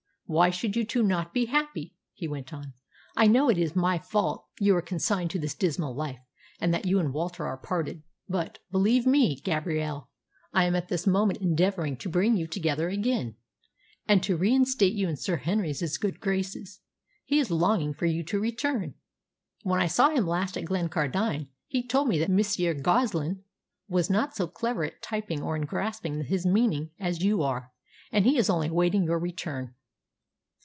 Why should you two not be happy?" he went on. "I know it is my fault you are consigned to this dismal life, and that you and Walter are parted; but, believe me, Gabrielle, I am at this moment endeavouring to bring you together again, and to reinstate you in Sir Henry's good graces. He is longing for you to return. When I saw him last at Glencardine he told me that Monsieur Goslin was not so clever at typing or in grasping his meaning as you are, and he is only awaiting your return."